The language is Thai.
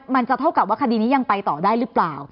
มันจะเท่ากับว่าคดีนี้ยังไปต่อได้หรือเปล่า